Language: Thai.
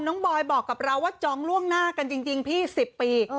บอยบอกกับเราว่าจองล่วงหน้ากันจริงพี่๑๐ปี